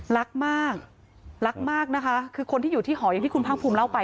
รักมากรักมากนะคะคือคนที่อยู่ที่หออย่างที่คุณภาคภูมิเล่าไป